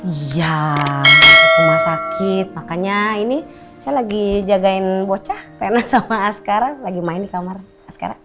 iya rumah sakit makanya ini saya lagi jagain bocah karena sama askara lagi main di kamar